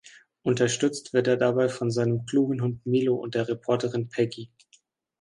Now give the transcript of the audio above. Unterstützt wird er dabei von seinem klugen Hund Milo und der Reporterin Peggy.